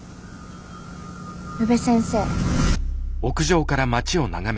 宇部先生。